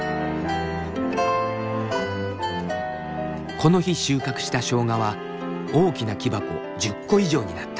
この日収穫したしょうがは大きな木箱１０個以上になった。